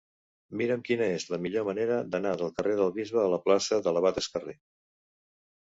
Mira'm quina és la millor manera d'anar del carrer del Bisbe a la plaça de l'Abat Escarré.